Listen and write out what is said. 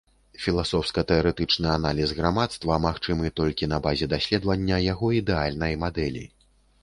Філасофска-тэарэтычны аналіз грамадства магчымы толькі на базе даследвання яго ідэальнай мадэлі.